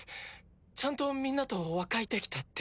ちゃんとみんなと和解できたって。